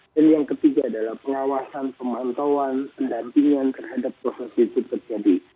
dan yang ketiga adalah pengawasan pemantauan pendampingan terhadap proses itu terjadi